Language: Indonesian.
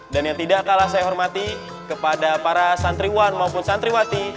dan yang tidak kalah saya hormati kepada para santriwan maupun santriwati